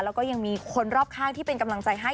แล้วก็ยังมีคนรอบข้างที่เป็นกำลังใจให้